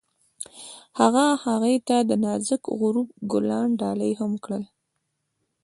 هغه هغې ته د نازک غروب ګلان ډالۍ هم کړل.